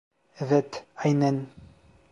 Evet, aynen.